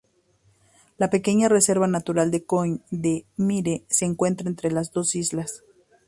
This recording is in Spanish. La pequeña reserva natural de Coin de Mire se encuentra entre las dos islas.